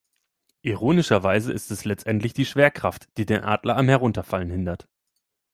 Ironischerweise ist es letztendlich die Schwerkraft, die den Adler am Herunterfallen hindert.